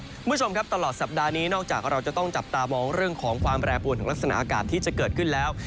คุณผู้ชมครับตลอดสัปดาห์นี้นอกจากเราจะต้องจับตามองเรื่องของความแปรปวนของลักษณะอากาศที่จะเกิดขึ้นแล้ว